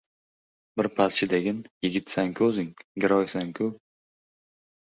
Birpas chidagin, yigitsan-ku о‘zing, giroysan-ku.